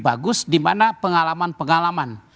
bagus dimana pengalaman pengalaman